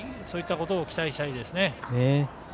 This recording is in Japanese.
そういったことを期待したいです。